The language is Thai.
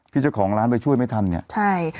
เจ้าของร้านไปช่วยไม่ทันเนี่ยใช่